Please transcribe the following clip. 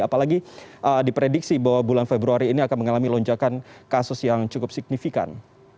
apalagi diprediksi bahwa bulan februari ini akan mengalami lonjakan kasus yang cukup signifikan